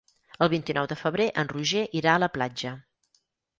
El vint-i-nou de febrer en Roger irà a la platja.